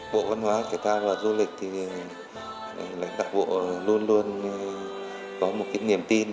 bộ văn hóa thể thao và du lịch thì lãnh đạo bộ luôn luôn có một kinh nghiệm tin